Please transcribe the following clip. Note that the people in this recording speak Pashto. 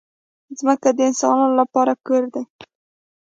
ځمکه د انسانانو لپاره کور دی.